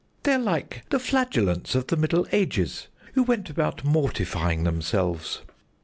"They're like the Flagellants of the Middle Ages, who went about mortifying themselves."